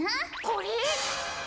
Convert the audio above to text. これ？